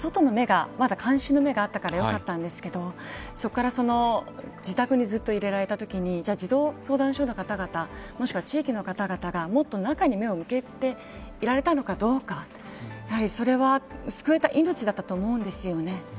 そのときまだ監視の目があったからよかったわけですけどそこから自宅にずっと入れられたときに児童相談所の方々もしくは、地域の方々がもっと中に目を向けていられたのかどうかそれは救えた命だったと思うんですよね。